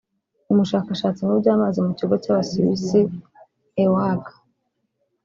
Umushakashatsi mu by’amazi mu kigo cy’Abasuwisi (Eawag)